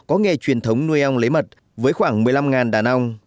có nghề truyền thống nuôi ong lấy mật với khoảng một mươi năm đàn ong